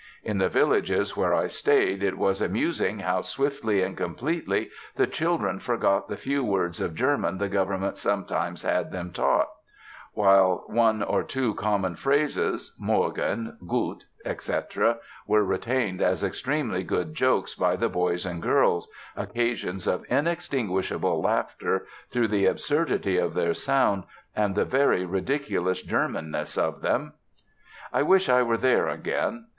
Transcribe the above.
In the villages where I stayed it was amusing how swiftly and completely the children forgot the few words of German the Government sometimes had them taught; while one or two common phrases, 'Morgen,' 'gut,' etc., were retained as extremely good jokes by the boys and girls, occasions of inextinguishable laughter, through the absurdity of their sound and the very ridiculous German ness of them.... I wish I were there again.